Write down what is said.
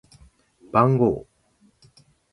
番号